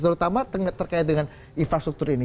terutama terkait dengan infrastruktur ini